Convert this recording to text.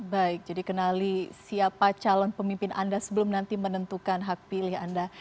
baik jadi kenali siapa calon pemimpin anda sebelum nanti menentukan hak pilih anda